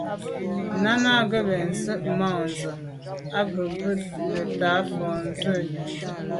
Náná à’ghə̀ zí’jú mbə́zə̄ á gə̄ bút búù nə̀táà fà’ zə̀ á Rə́ə̀.